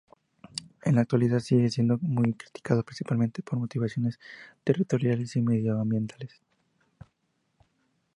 En la actualidad sigue siendo muy criticado principalmente por motivaciones territoriales y medioambientales.